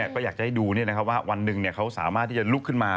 ก็อยากจะให้ดูว่าวันหนึ่งเขาสามารถที่จะลุกขึ้นมา